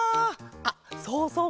あっそうそう